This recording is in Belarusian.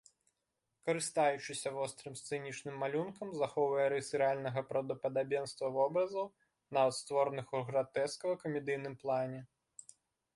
Карыстаючыся вострым сцэнічным малюнкам, захоўвае рысы рэальнага праўдападабенства вобразаў, нават створаных у гратэскава-камедыйным плане.